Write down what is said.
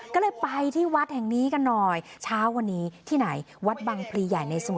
ก็เลยไปที่วัดแห่งนี้กันหน่อย